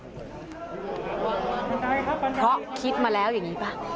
เพราะคิดมาแล้วอย่างนี้ป่ะ